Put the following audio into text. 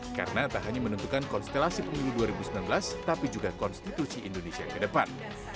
karena tak hanya menentukan konstelasi pemilu dua ribu sembilan belas tapi juga konstitusi indonesia ke depan